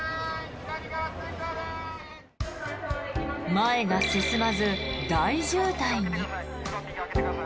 前が進まず大渋滞に。